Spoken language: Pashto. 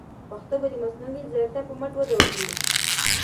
پښتو به د مصنوعي ځیرکتیا په مټ وده وکړي.